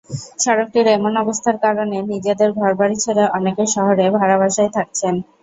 সড়কটির এমন অবস্থার কারণে নিজেদের ঘরবাড়ি ছেড়ে অনেকে শহরে ভাড়া বাসায় থাকছেন।